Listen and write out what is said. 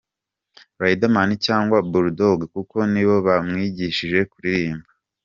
Riderman cyangwa Bull Dogg kuko nibo bamwigishije kuririmba.